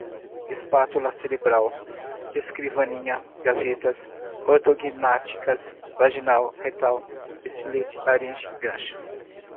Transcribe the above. espátula cerebral, escrivaninha, gavetas, ortognática, vaginal, retal, estilete, laringe, gancho